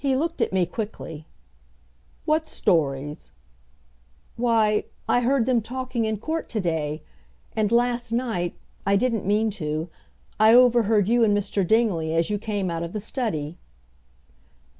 He looked at me quickly. "What stories?" "Why, I heard them talking in court to day; and last night, I didn't mean to, I overheard you and Mr. Dingley as you came out of the study."